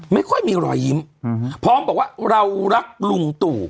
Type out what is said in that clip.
ไม่ค่อยมีรอยยิ้มพร้อมบอกว่าเรารักลุงตู่